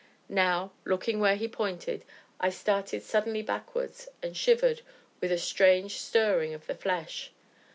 Now, looking where he pointed, I started suddenly backwards, and shivered, with a strange stirring of the flesh.